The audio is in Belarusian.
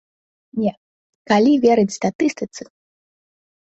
Не, калі верыць статыстыцы.